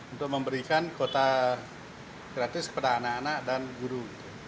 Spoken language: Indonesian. untuk memberikan kuota gratis kepada anak anak dan guru